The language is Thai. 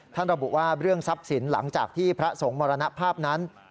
ระบุว่าเรื่องทรัพย์สินหลังจากที่พระสงฆ์มรณภาพนั้น